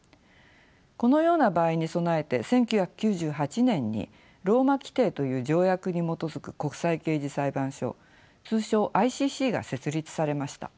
このような場合に備えて１９９８年にローマ規程という条約に基づく国際刑事裁判所通称ＩＣＣが設立されました。